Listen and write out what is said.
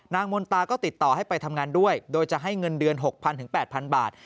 มนตาก็ติดต่อให้ไปทำงานด้วยโดยจะให้เงินเดือน๖๐๐๘๐๐บาท